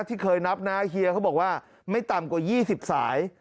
ที่เคยนับนะเฮียเขาบอกว่าไม่ต่ำกว่า๒๐สาย